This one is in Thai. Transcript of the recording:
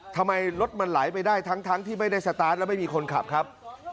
ทำไมรถมันไหลไปได้ทั้งที่ไม่ได้สตาร์ทแล้วไม่มีคนขับครับ